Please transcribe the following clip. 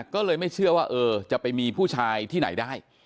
ก็เลยไม่เชื่อว่าเออจะไปมีผู้ชายที่ไหนได้